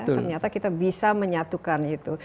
ternyata kita bisa menyatukan itu